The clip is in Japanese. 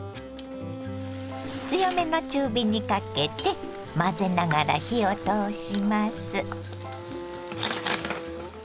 強めの中火にかけて混ぜながら火を通します。